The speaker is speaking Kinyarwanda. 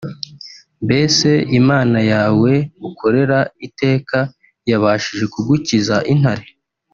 mbese Imana yawe ukorera iteka yabashije kugukiza intare